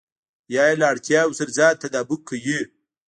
يا يې له اړتياوو سره ځان تطابق کوئ.